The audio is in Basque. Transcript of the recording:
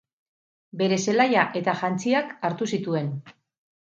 Bere zelaia eta jantziak hartu zituen.